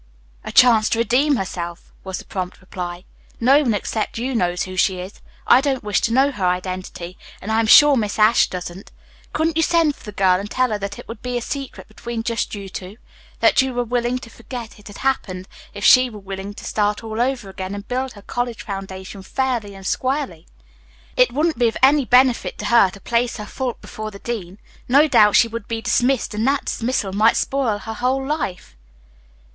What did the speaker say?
"A chance to redeem herself," was the prompt reply. "No one except you knows who she is. I don't wish to know her identity, and I am sure Miss Ashe doesn't. Couldn't you send for the girl and tell her that it would be a secret between just you two. That you were willing to forget it had happened if she were willing to start all over again and build her college foundation fairly and squarely. It wouldn't be of any benefit to her to place her fault before the dean. No doubt she would be dismissed, and that dismissal might spoil her whole life."